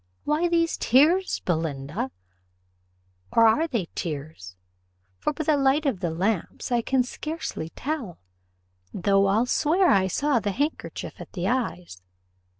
Why these tears, Belinda? or are they tears? for by the light of the lamps I can scarcely tell; though I'll swear I saw the handkerchief at the eyes.